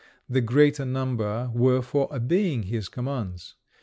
The greater number were for obeying his commands.